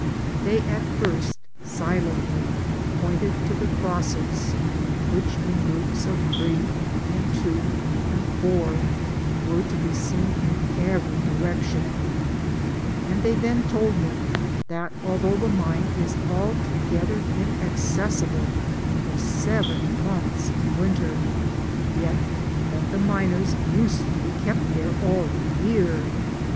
They at first silently pointed to the drosses^ which, in groups of three and two and four, were to be seen in every direction ; and they then told me^ that although the mine is altogether inaccessible for seven months in winter, yet that the miners used to be kept there all the year.